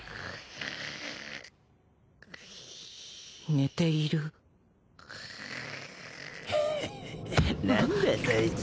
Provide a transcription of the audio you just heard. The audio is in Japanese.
寝ている鬼）